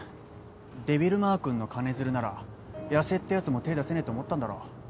デビルまークンの金づるなら矢瀬ってヤツも手出せねえと思ったんだろ。